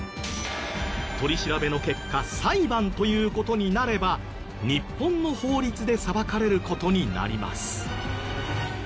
取り調べの結果裁判という事になれば日本の法律で裁かれる事になります。